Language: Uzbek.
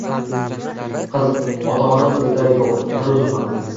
Qiz - Ota-onam uyda yo'q, bir o'zimman!